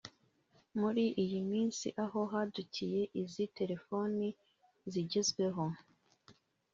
Muri iyi minsi aho hadukiye izi telefoni zigezweho